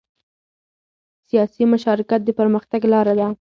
سیاسي مشارکت د پرمختګ لاره ده